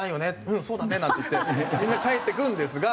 「うんそうだね」なんて言ってみんな帰っていくんですが。